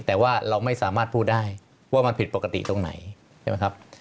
แต่ว่าเราไม่สามารถพูดได้ว่ามันผิดปกติตรงไหนใช่ไหมครับ